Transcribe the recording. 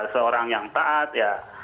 seorang yang taat ya